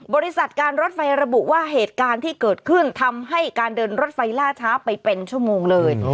บริษัทการรถไฟระบุว่าเหตุการณ์ที่เกิดขึ้นทำให้การเดินรถไฟล่าช้าไปเป็นชั่วโมงเลย